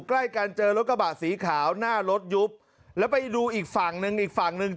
ใกล้กันเจอรถกระบะสีขาวหน้ารถยุบแล้วไปดูอีกฝั่งหนึ่งอีกฝั่งหนึ่ง